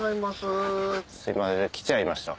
すいません来ちゃいました。